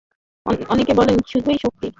অনেকে বলেন শুধুই শক্তি।